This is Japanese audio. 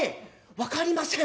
「分かりません。